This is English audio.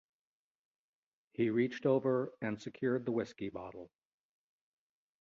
He reached over and secured the whiskey bottle.